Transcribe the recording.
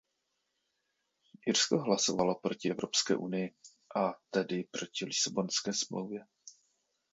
Irsko hlasovalo proti Evropské unii, a tedy proti Lisabonské smlouvě.